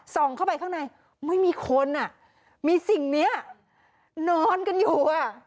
ส่องเข้าไปข้างในไม่มีคนเจ้ามีสิ่งนี้นอนกันอยู่